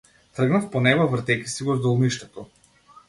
Тргнав по него, вртејќи си го здолништето.